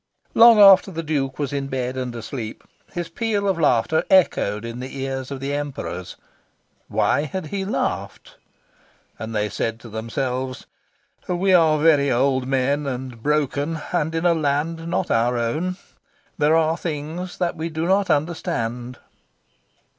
Long after the Duke was in bed and asleep, his peal of laughter echoed in the ears of the Emperors. Why had he laughed? And they said to themselves "We are very old men, and broken, and in a land not our own. There are things that we do not understand."